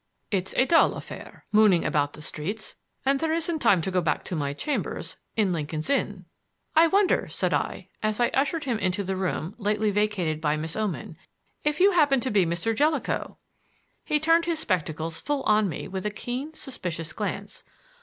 It's a dull affair, mooning about the streets, and there isn't time to go back to my chambers in Lincoln's Inn." "I wonder," said I, as I ushered him into the room lately vacated by Miss Oman, "if you happen to be Mr. Jellicoe." He turned his spectacles full on me with a keen, suspicious glance.